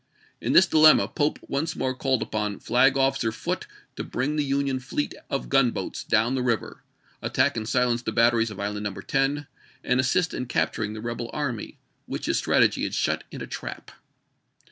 In this dilemma Pope once more called upon Flag officer Foote to bring the Union fleet of gunboats down the river, attack and silence the batteries of Island No. 10, and assist in capturing the rebel army, which his strategy had shut in a trap.